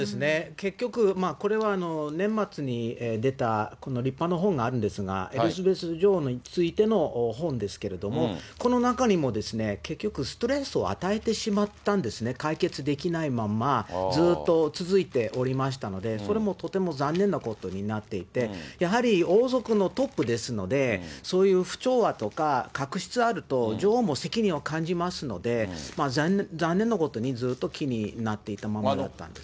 結局、これは年末に出た立派な本があるんですが、エリザベス女王についての本ですけれども、この中にも結局、ストレスを与えてしまったんですね、解決できないまんま、ずっと続いておりましたので、それもとても残念なことになっていて、やはり王族のトップですので、そういう不調和とか確執あると、女王も責任を感じますので、残念なことにずっと気になっていたままだったんです。